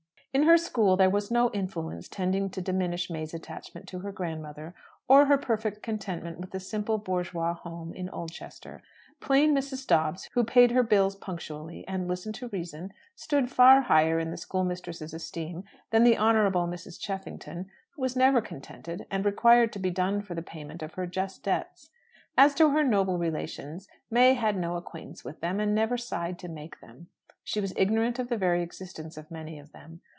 In her school there was no influence tending to diminish May's attachment to her grandmother, or her perfect contentment with the simple bourgeois home in Oldchester. Plain Mrs. Dobbs, who paid her bills punctually, and listened to reason, stood far higher in the schoolmistress's esteem than the Honourable Mrs. Cheffington, who was never contented, and required to be dunned for the payment of her just debts. As to her noble relations, May had no acquaintance with them, and never sighed to make it. She was ignorant of the very existence of many of them.